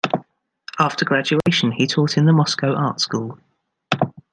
After graduation he taught in the Moscow Art School.